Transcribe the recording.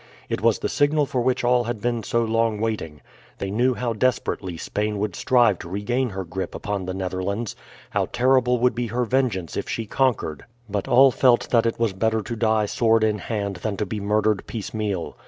It was the signal for which all had been so long waiting. They knew how desperately Spain would strive to regain her grip upon the Netherlands, how terrible would be her vengeance if she conquered; but all felt that it was better to die sword in hand than to be murdered piecemeal.